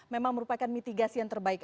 memang merupakan mitigasi yang terbaik